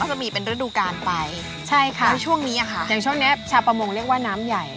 ก็จะมีเป็นระดูกรรมไปใช่ค่ะช่วงนี้ค่ะอย่างศิษย์นี้ชาประมงเรียกว่าน้ำใหญ่